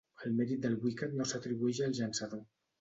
El mèrit del wicket no s'atribueix al llançador.